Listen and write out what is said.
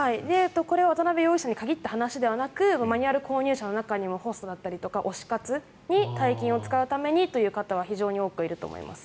これは渡邊容疑者に限った話ではなくマニュアル購入者の中にもホストだったりとか推し活に大金を使うためにという方は非常に多くいると思います。